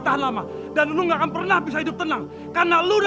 bahkan saya tidak akan makan tidak berhenti di har verses